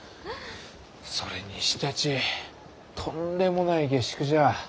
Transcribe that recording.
それにしたちとんでもない下宿じゃ。